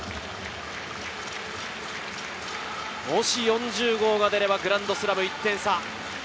もし４０号が出ればグランドスラム、１点差。